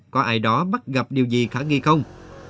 có ai đó bắt gặp điều gì khả nghi không